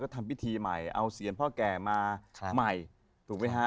ทำพิธีใหม่เอาเสียงพ่อแก่มาใหม่ถูกไหมฮะ